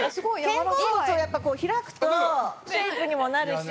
肩甲骨を開くとシェイプにもなるし。